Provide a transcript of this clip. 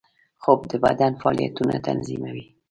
خوب د بدن فعالیتونه تنظیموي